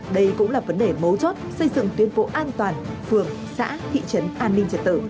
đây cũng là vấn đề mấu chốt xây dựng tuyến phố an toàn phường xã thị trấn an ninh trật tự